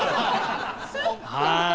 そっか。